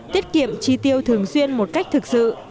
tiết kiệm chi tiêu thường xuyên một cách thực sự